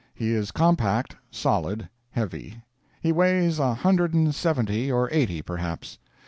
He is compact, solid, heavy. He weighs a hundred and seventy or eighty, perhaps.